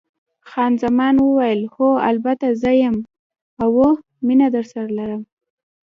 خان زمان وویل: هو، البته زه یم، اوه، مینه درسره لرم.